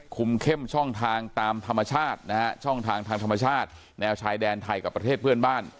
คุมเข้มช่องทางตามธรรมชาตินะฮะช่องทางทางธรรมชาติแนวชายแดนไทยกับประเทศเพื่อนบ้าน